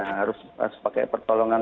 harus pakai pertolongan